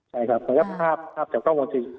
ใช่ครับก็แยกภาพเดี่ยวก็ข้อมองจิต